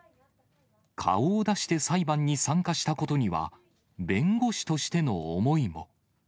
顔を出して裁判に参加したことには、弁護士としての思いも。